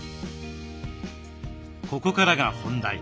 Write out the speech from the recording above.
ここからが本題。